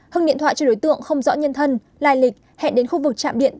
hưng điện thoại cho đối tượng không rõ nhân thân lai lịch hẹn đến khu vực trạm điện